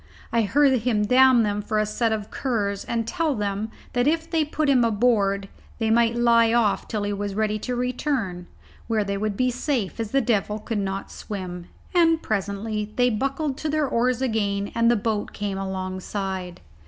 I heard him damn them for a set of curs, and tell them that if they put him aboard they might lie off till he was ready to return, where they would be safe, as the devil could not swim; and presently they buckled to their oars again and the boat came alongside.